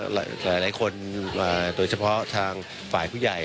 หลายคนโดยเฉพาะทางฝ่ายผู้ใหญ่